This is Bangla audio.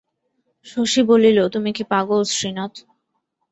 শশী বলিল, তুমি কী পাগল শ্রীনাথ?